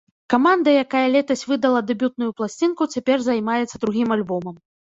Каманда, якая летась выдала дэбютную пласцінку, цяпер займаецца другім альбомам.